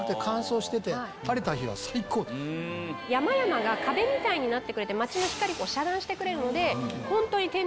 山々が壁みたいになってくれて街の光遮断してくれるので。